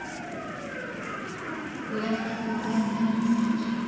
［ゴラマラ島から南に３ｋｍ］